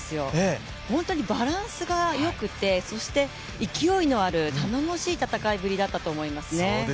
本当にバランスがよくてそして勢いのある、頼もしい戦いぶりだったと思いますね。